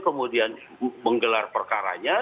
kemudian menggelar perkaranya